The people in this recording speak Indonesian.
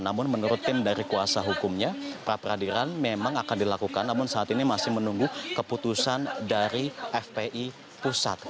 namun menurut tim dari kuasa hukumnya pra peradilan memang akan dilakukan namun saat ini masih menunggu keputusan dari fpi pusat